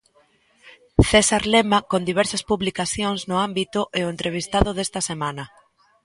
César Lema, con diversas publicacións no ámbito, é o entrevistado desta semana.